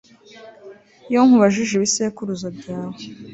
iyo nkubajije ibisekuruza byawe